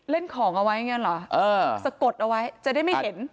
ของเอาไว้อย่างนี้เหรอสะกดเอาไว้จะได้ไม่เห็น